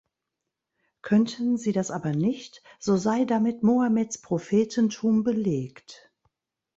Könnten sie das aber nicht, so sei damit Mohammeds Prophetentum belegt.